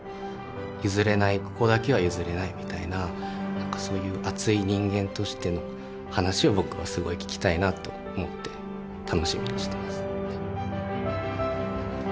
譲れないここだけは譲れないみたいななんかそういう熱い人間としての話を僕はすごい聞きたいなと思って楽しみにしてます。